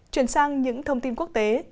chuyển sang những thông tin quốc tế